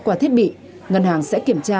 qua thiết bị ngân hàng sẽ kiểm tra